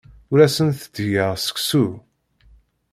Ur asent-d-ttgeɣ seksu.